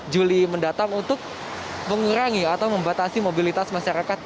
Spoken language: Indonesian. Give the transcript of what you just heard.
juli mendatang untuk mengurangi atau membatasi mobilitas masyarakat